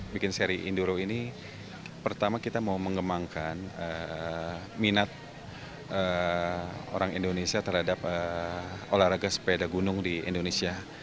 bikin seri induro ini pertama kita mau mengembangkan minat orang indonesia terhadap olahraga sepeda gunung di indonesia